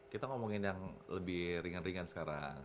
kita ngomongin yang lebih ringan ringan sekarang